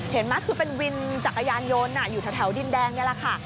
เห็นไหมคือเป็นวินจักรยานยนต์อยู่แถวดินแดงนี่แหละค่ะ